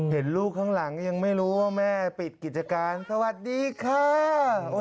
เห็นลูกข้างหลังยังไม่รู้ว่าแม่ปิดกิจการสวัสดีค่ะ